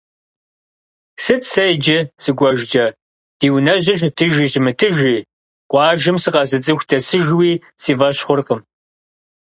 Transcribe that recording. Сыт сэ иджы сыкӏуэжкӏэ, ди унэжьыр щытыжи щымытыжи, къуажэми сыкъэзыцӏыху дэсыжууи сифӏэщ хъуркъым.